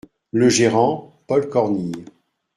Le Gérant : Paul Cornille.